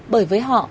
bởi với họ